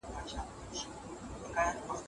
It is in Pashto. د عُمر زکندن ته شپې یوه، یوه لېږمه